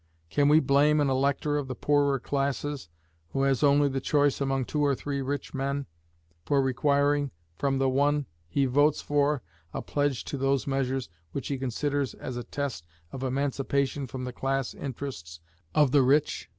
Can we blame an elector of the poorer classes, who has only the choice among two or three rich men, for requiring from the one he votes for a pledge to those measures which he considers as a test of emancipation from the class interests of the rich?